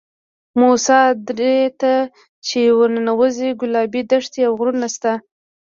موسی درې ته چې ورننوځې ګلابي دښتې او غرونه شته.